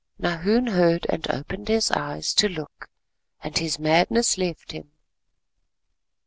Nahoon heard and opened his eyes to look and his madness left him.